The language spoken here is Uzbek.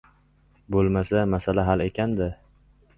— Bo‘lmasa, masala hal ekan-da!